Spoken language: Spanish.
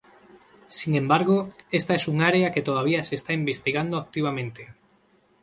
Sin embargo, esta es un área que todavía se está investigando activamente.